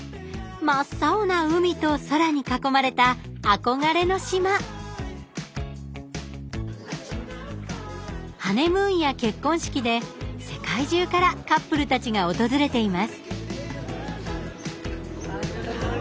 真っ青な海と空に囲まれた憧れの島ハネムーンや結婚式で世界中からカップルたちが訪れています